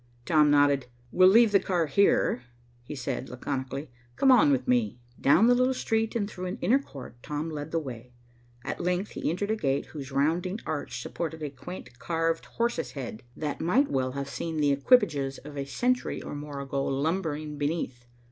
Tom nodded. "We'll leave the car here," he said laconically. "Come on with me." Down the little street and through an inner court Tom led the way. At length he entered a gate whose rounding arch supported a quaint carved horse's head, that might well have seen the equipages of a century or more ago lumbering beneath.